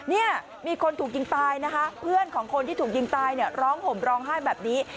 เนี่ยมีคนถูกยิงตายนะคะเพื่อนของคนที่ถูกยิงตายเนี่ยร้องห่มร้องไห้แบบนี้